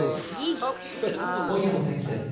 今夜の天気です。